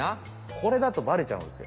これだとバレちゃうんですよ。